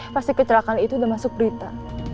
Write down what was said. pasti kecelakaan itu udah masuk berita